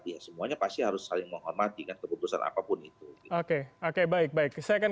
ya semuanya pasti harus saling menghormati kan keputusan apapun itu oke oke baik baik saya akan